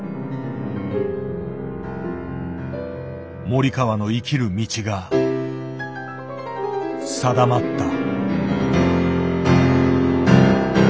森川の生きる道が定まった。